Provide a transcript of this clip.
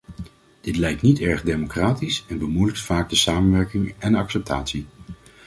Dit lijkt niet erg democratisch en bemoeilijkt vaak de samenwerking en acceptatie.